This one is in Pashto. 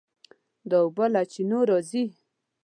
دا اوبه له چینو راځي.